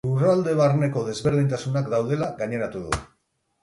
Lurralde barneko desberdintasunak daudela gaineratu du.